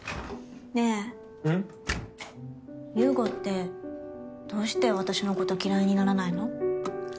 優吾ってどうして私のこと嫌いにならないの？